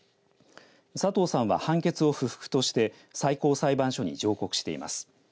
佐藤さんは判決を不服として最高裁判所に上告しています。